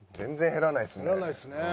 減らないですね。